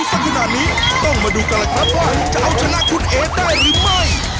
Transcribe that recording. อันนี้ทิวทิวสุกนะ